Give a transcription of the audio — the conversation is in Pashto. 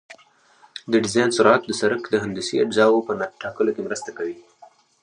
د ډیزاین سرعت د سرک د هندسي اجزاوو په ټاکلو کې مرسته کوي